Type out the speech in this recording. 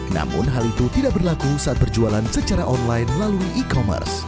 namun hal itu tidak berlaku saat perjualan secara online melalui e commerce